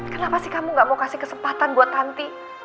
kenapa sih kamu gak mau kasih kesempatan buat tanti